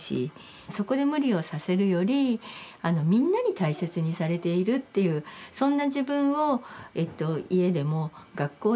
そこで無理をさせるより「みんなに大切にされている」っていうそんな自分をえっと家でも学校でも